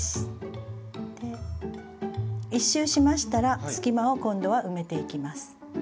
１周しましたら隙間を今度は埋めていきます。